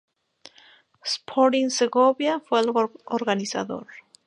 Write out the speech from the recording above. Sporting Segovia fue el organizador.